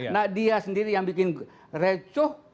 nah dia sendiri yang bikin recoh